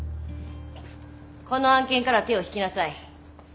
この案件から手を引きなさい。